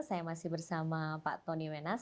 saya masih bersama pak tony wenas